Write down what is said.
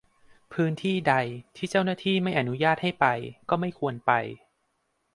พื้นที่ใดที่เจ้าหน้าที่ไม่อนุญาตให้ไปก็ไม่ควรไป